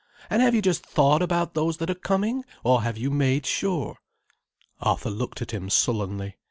And have you just thought about those that are coming, or have you made sure?" Arthur looked at him sullenly.